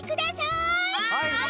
はい。